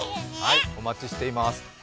はい、お待ちしています。